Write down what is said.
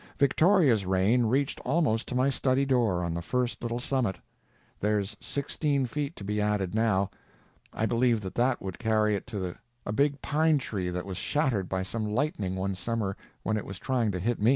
Victoria's reign reached almost to my study door on the first little summit; there's sixteen feet to be added now; I believe that that would carry it to a big pine tree that was shattered by some lightning one summer when it was trying to hit me.